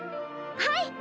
はい！